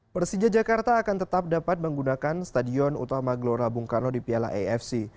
persija jakarta akan tetap dapat menggunakan stadion utama gelora bung karno di piala afc